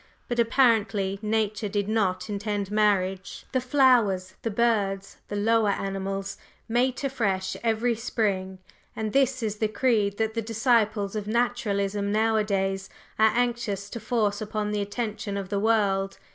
But apparently Nature did not intend marriage. The flowers, the birds, the lower animals, mate afresh every spring, and this is the creed that the disciples of Naturalism nowadays are anxious to force upon the attention of the world.